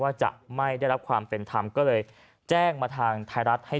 ว่าจะไม่ได้รับความเป็นธรรมก็เลยแจ้งมาทางไทยรัฐให้